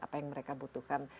apa yang mereka butuhkan